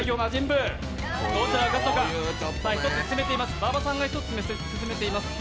馬場さんが１つ進めています